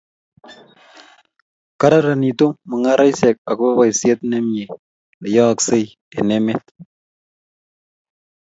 kararanitu mung'aresiek akobo boiset ne mie ne yooksei eng emet.